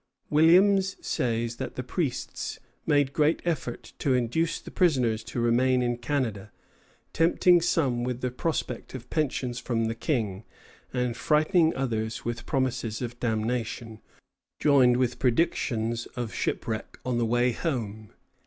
Williams says that the priests made great efforts to induce the prisoners to remain in Canada, tempting some with the prospect of pensions from the King, and frightening others with promises of damnation, joined with predictions of shipwreck on the way home.